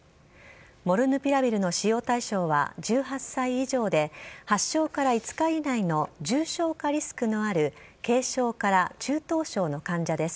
モルヌピラビルの使用対象は１８歳以上で、発症から５日以内の重症化リスクのある軽症から中等症の患者です。